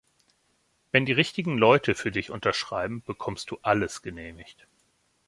Wenn die richtigen Leute für dich unterschreiben, bekommst du alles genehmigt.